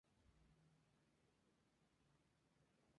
El futuro de la zona cambia.